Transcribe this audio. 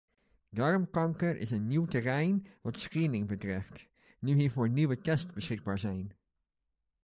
Darmkanker is een nieuw terrein wat screening betreft, nu hiervoor nieuwe tests beschikbaar zijn.